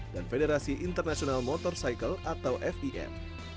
dan federasi internasional motorcycle atau fem